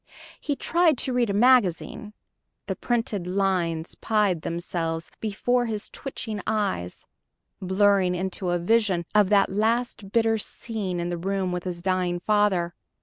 He tried to read a magazine; the printed lines "pied" themselves before his twitching eyes, blurring into a vision of that last bitter scene in the room with his dying father.